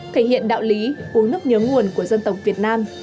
thể hiện đạo lý uống nước nhớ nguồn của dân tộc việt nam